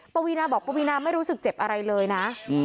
ปวีนาบอกปวีนาไม่รู้สึกเจ็บอะไรเลยนะ